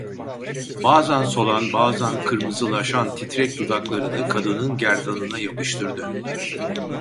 Bazan solan, bazan kırmızılaşan titrek dudaklarını kadının gerdanına yapıştırdı…